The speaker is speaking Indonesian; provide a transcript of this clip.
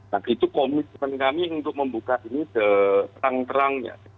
dan itu komitmen kami untuk membuka ini ke terang terangnya